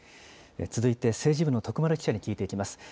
続いて政治部の徳丸記者に聞いていきます。